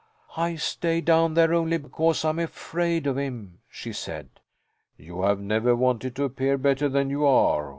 "I stay down there only because I'm afraid of him," she said. "You have never wanted to appear better than you are.